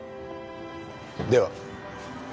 では。